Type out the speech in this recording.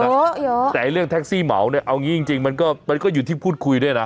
เยอะเยอะแต่เรื่องแท็กซี่เหมาเนี่ยเอางี้จริงจริงมันก็มันก็อยู่ที่พูดคุยด้วยนะ